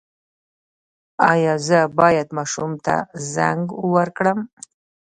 ایا زه باید ماشوم ته زنک ورکړم؟